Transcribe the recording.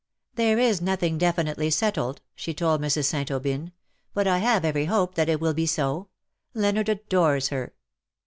" There is nothing definitely settled/^ she told Mrs. St. Aubyn, '^ but I have every hope that it will be so. Leonard adores her.